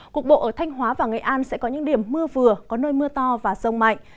cục bộ ở thanh hóa và nghệ an sẽ có những điểm mưa vừa có nơi mưa to và rông mạnh